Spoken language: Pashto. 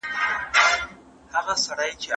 غرونه د وطن ښکلا ده.